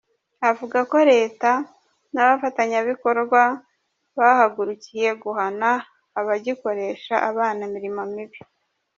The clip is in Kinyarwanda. Avuga ko Leta n’abafatanyabikorwa bahagurukiye guhana abagikoresha abana imirimo mibi.